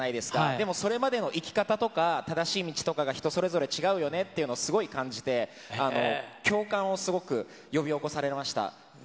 でもそれまでの生き方とか、正しい道とかが人それぞれ違うよねっていうのをすごい感じて、共感をすごく呼び起こされました。